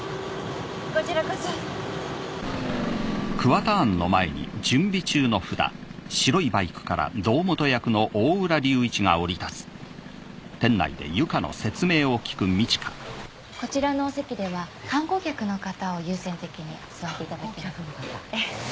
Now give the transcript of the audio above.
こちらこそこちらのお席では観光客の方を優先的に座って頂きますああ！